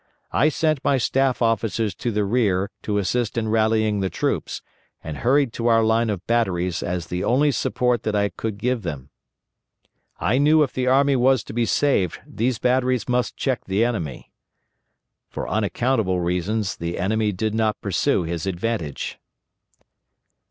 I sent my staff officers to the rear to assist in rallying the troops, and hurried to our line of batteries as the only support that I could given them." ... "I knew if the army was to be saved these batteries must check the enemy." ... "For unaccountable reasons the enemy did not pursue his advantage."